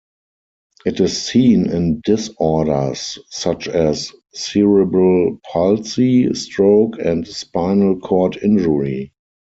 It is seen in disorders such as cerebral palsy, stroke, and spinal cord injury.